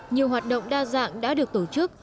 nhiều hoạt động đa dạng đã được tổ chức